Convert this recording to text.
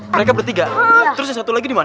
mereka bertiga terus yang satu lagi dimana